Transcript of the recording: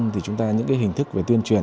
thì những hình thức về tuyên truyền